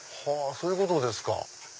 そういうことですか。